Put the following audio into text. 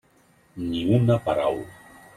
Ni una paraula.